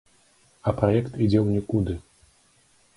А праект ідзе ў нікуды.